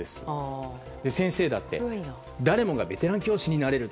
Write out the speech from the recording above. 先生だって誰もがベテラン教師になれる。